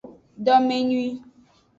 Domenyui.